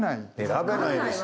選べないですよ。